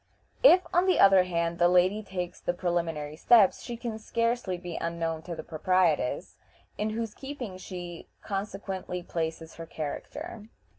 If, on the other hand, the lady takes the preliminary steps, she can scarcely be unknown to the proprietress, in whose keeping she consequently places her character.